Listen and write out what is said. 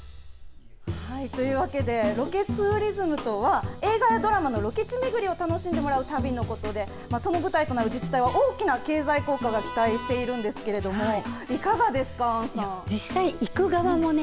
というわけでロケツーリズムとは映画やドラマのロケ地巡りを楽しんでもらう旅のことでその舞台となる自治体は大きな経済効果が期待されるんですけれどいかがですか、アンさん。